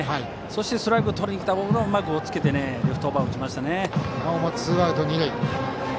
そして、ストライクをとりにいったボールをおっつけてレフトオーバーを打ちましたね。